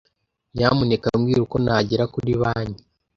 Nyamuneka mbwira uko nagera kuri banki.